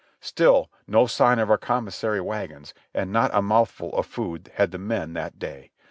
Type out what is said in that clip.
Still no sign of our commissary wagons and not a mouthful of food had the men that day.